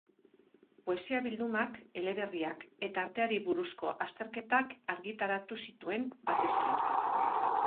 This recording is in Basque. Poesia-bildumak, eleberriak eta arteari buruzko azterketak argitaratu zituen, batez ere.